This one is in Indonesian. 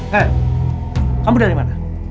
hei kamu dari mana